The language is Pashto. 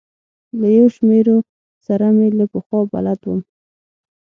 له یو شمېرو سره مې له پخوا بلد وم.